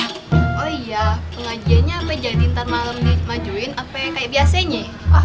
oh iya pengajiannya apa jadi ntar malem dimajuin apa kaya biasanya